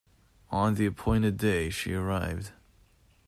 On the appointed day she arrived.